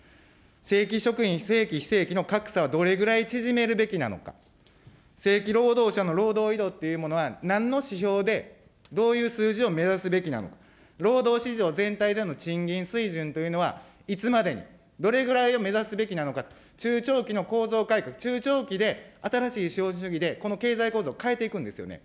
正規職員、正規、非正規の格差をどれぐらい縮めるべきなのか、正規労働者の労働移動というものは、なんの指標でどういう数字を目指すべきなのか、労働市場全体での賃金水準というのはいつまでにどれくらいを目指すべきなのか、中長期の構造改革、中長期で新しい資本主義でこの経済構造を変えていくんですよね。